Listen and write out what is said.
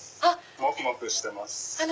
もふもふしてます。